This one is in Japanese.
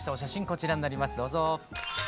こちらになりますどうぞ。